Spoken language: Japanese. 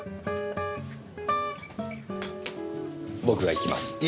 僕が行きます。